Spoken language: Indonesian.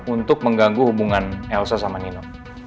untuk mengganggu hubungan elsa sama nino